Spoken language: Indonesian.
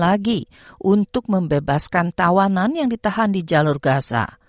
lagi untuk membebaskan tawanan yang ditahan di jalur gaza